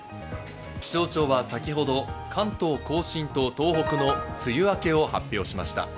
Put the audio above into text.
気象庁は先ほど関東甲信と東北の梅雨明けを発表しました。